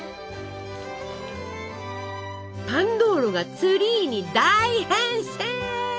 パンドーロがツリーに大変身！